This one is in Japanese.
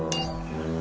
うん。